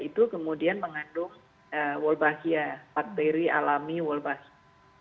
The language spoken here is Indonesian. itu kemudian mengandung wolbachia bakteri alami wolbachia